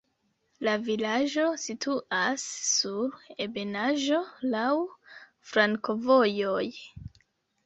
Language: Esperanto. La vilaĝo situas sur ebenaĵo, laŭ flankovojoj.